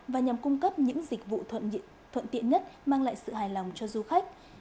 và nhằm cung cấp những dịch vụ thuận tiện nhất mang lại sự hài lòng cho du khách